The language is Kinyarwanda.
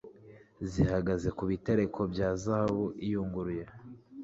zihagaze ku bitereko bya zahabu iyunguruye